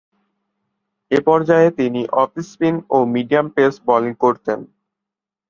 এ পর্যায়ে তিনি off spin ও মিডিয়াম পেস বোলিং করতেন।